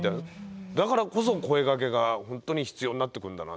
だからこそ声がけが本当に必要になってくるんだなというのはね。